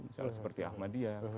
misalnya seperti ahmadiyah